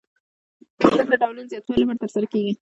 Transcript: د ژوند د ډولونو د زیاتوالي لپاره ترسره کیږي.